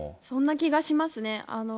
そんな気がしますね。